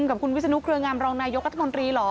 กับคุณวิศนุเครืองามรองนายกรัฐมนตรีเหรอ